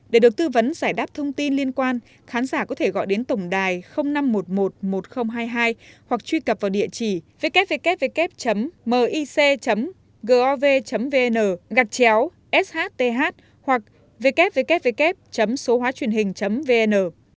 để được tư vấn giải đáp thông tin liên quan khán giả có thể gọi đến tổng đài năm triệu một trăm một mươi một nghìn hai mươi hai hoặc truy cập vào địa chỉ www mic gov vn gạch chéo shth hoặc www sosohuachuyenhing vn